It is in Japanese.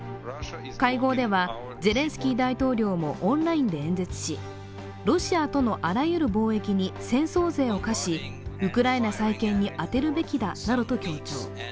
会合では、ゼレンスキー大統領もオンラインで演説しロシアとのあらゆる貿易に戦争税を課しウクライナ再建に充てるべきだなどと強調。